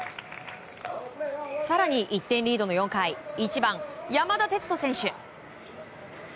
更に、１点リードの４回１番、山田哲人選手。